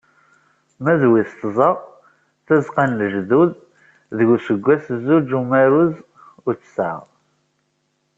Ma d wis tẓa "Tazeqqa n lejdud" deg useggas zuǧ amaruz u tesεa.